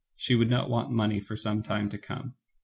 She would not want money for some time to come.